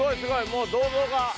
もう銅像が。